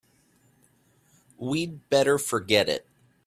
We'd better forget it.